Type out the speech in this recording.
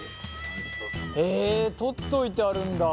へえ取っといてあるんだ。